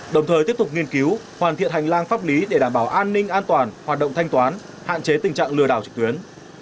đồng thời tiếp tục nghiên cứu hoàn thiện hành lang pháp lý để đảm bảo an ninh an toàn hoạt động thanh toán hạn chế tình trạng lừa đảo trực tuyến